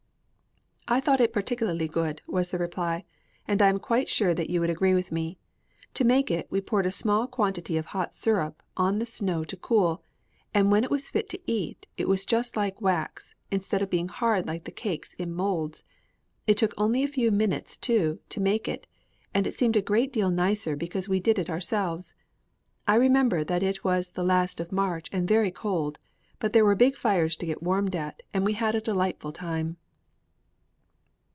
"I thought it particularly good," was the reply, "and I am quite sure that you would agree with me. To make it, we poured a small quantity of hot syrup on the snow to cool; and when it was fit to eat, it was just like wax, instead of being hard like the cakes in moulds. It took only a few minutes, too, to make it, and it seemed a great deal nicer because we did it ourselves. I remember that it was the last of March and very cold, but there were big fires to get warmed at, and we had a delightful time."